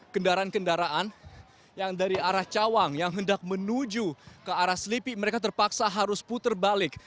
kendaraan kendaraan yang dari arah cawang yang hendak menuju ke arah selipi mereka terpaksa harus putar balik